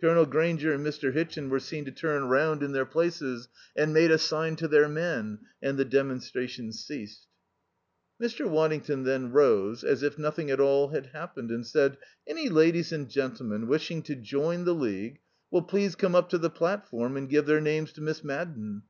Colonel Grainger and Mr. Hitchin were seen to turn round in their places and make a sign to their men, and the demonstration ceased. Mr. Waddington then rose as if nothing at all had happened and said, "Any ladies and gentlemen wishing to join the League will please come up to the platform and give their names to Miss Madden.